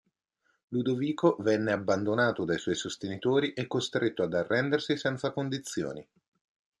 Ludovico venne abbandonato dai suoi sostenitori e costretto ad arrendersi senza condizioni.